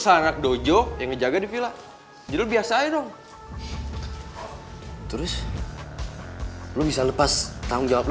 sampai jumpa di video selanjutnya